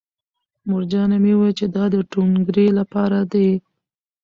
مورجانې مې وویل چې دا د ټونګرې لپاره دی